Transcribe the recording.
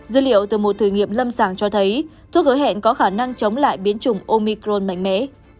dữ liệu từ một thử nghiệm lâm sàng cho thấy thuốc hứa hẹn có khả năng chống lại biến chủng omicron mạnh mẽ